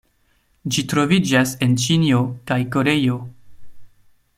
Ĝi troviĝas en Ĉinio kaj Koreio.